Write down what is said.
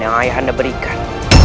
yang ayahanda berikan